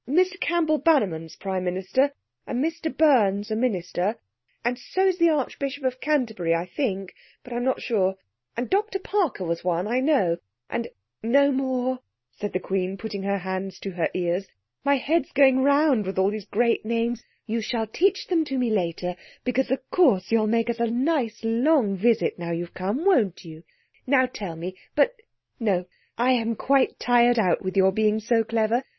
"Mr Campbell Bannerman's Prime Minister and Mr Burns a Minister, and so is the Archbishop of Canterbury, I think, but I'm not sure—and Dr Parker was one, I know, and—" "No more," said the Queen, putting her hands to her ears. "My head's going round with all those great names. You shall teach them to me later—because of course you'll make us a nice long visit now you have come, won't you? Now tell me—but no, I am quite tired out with your being so clever.